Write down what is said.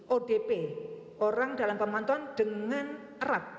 odp orang dalam pemantauan dengan erat